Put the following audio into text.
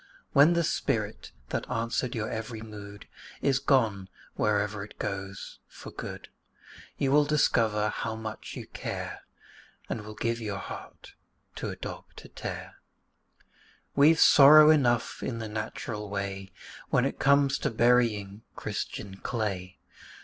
When the spirit that answered your every mood Is gone wherever it goes for good, You will discover how much you care, And will give your heart to a dog to tear! We've sorrow enough in the natural way, When it comes to burying Christian clay.